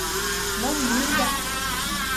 Мом йӱында?